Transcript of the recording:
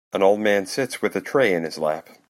An old man sits with a tray in his lap.